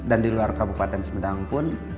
dan di luar kabupaten semedang pun